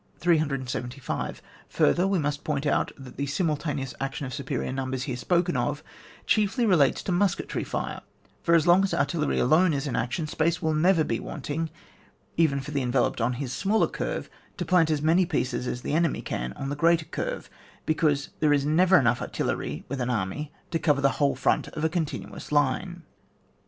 375. Further, we must point out that the simultaneous action of superior num bers here spoken of, chiefly relates to musketry fire ; for as long as artillery alone is in action, space will never be wanting, even for the enveloped on his smaller curve to plant as many pieces as the enemy can on the greater curve ; be cause there never is enough artillery with an army to cover the whole front of a continuous line.